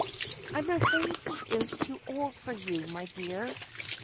"I am afraid he is too old for you, my dear."